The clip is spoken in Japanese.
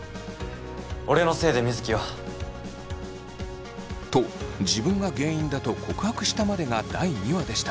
俺のせいで水城は。と自分が原因だと告白したまでが第２話でした。